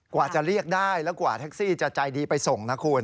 กว่าจะเรียกได้แล้วกว่าแท็กซี่จะใจดีไปส่งนะคุณ